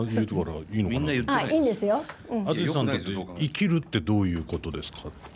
はい生きるはどういうことですか？